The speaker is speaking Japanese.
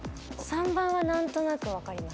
３番は何となく分かります。